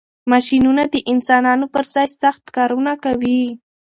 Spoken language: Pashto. ماشینونه د انسانانو پر ځای سخت کارونه کوي.